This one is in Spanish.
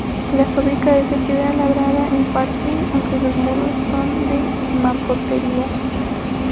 La fábrica es de piedra labrada en parte, aunque sus muros son de mampostería.